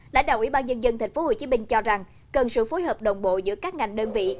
lãnh đạo ubnd tp hcm cho rằng cần sự phối hợp đồng bộ giữa các ngành đơn vị